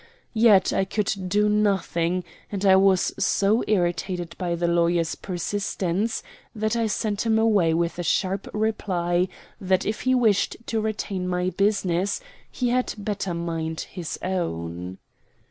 Yet I could do nothing; and I was so irritated by the lawyer's persistence that I sent him away with a sharp reply that if he wished to retain my business he had better mind his own.